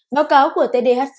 báo cáo của tdhc